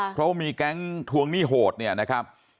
เพราะว่ามีแก๊งทวงหนี้โหดเนี่ยนะครับ